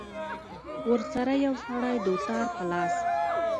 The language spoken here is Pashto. ورسره يو سړى دوتار په لاس.